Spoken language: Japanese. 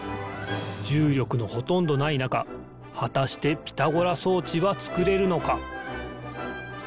じゅうりょくのほとんどないなかはたしてピタゴラそうちはつくれるのか？